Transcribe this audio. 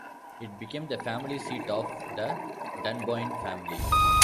It became the family seat of the Dunboyne family.